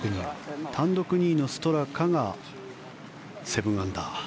単独２位のストラカが７アンダー。